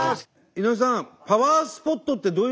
井上さん